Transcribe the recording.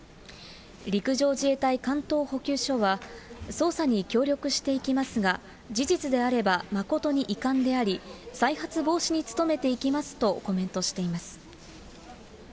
陸上自衛隊関東補給処は、捜査に協力していきますが、事実であれば誠に遺憾であり、再発防止に努めていきますとコメントしています。